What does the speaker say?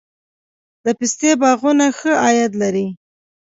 د پستې باغونه ښه عاید لري؟